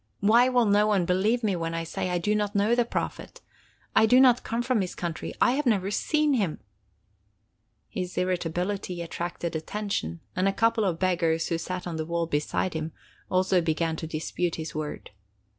Why will no one believe me when I say that I do not know the Prophet? I do not come from his country. I have never seen him." His irritability attracted attention, and a couple of beggars who sat on the wall beside him also began to dispute his word.